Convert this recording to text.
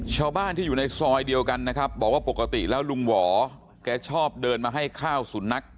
ชาวบ้านที่อยู่ในซอยเดียวกันนะครับบอกว่าปกติแล้วลุงหวอแกชอบเดินมาให้ข้าวสุนัข